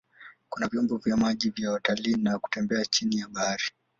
Kuna vyombo vya maji vya watalii na kutembea chini ya bahari.